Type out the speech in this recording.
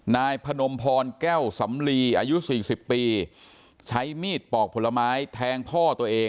นายพนมพรแก้วสำลีอายุ๔๐ปีใช้มีดปอกผลไม้แทงพ่อตัวเอง